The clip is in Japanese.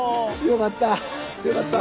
よかった！